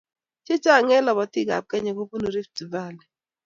Che chang eng lobotii ab Kenya kobunuu Rift Valley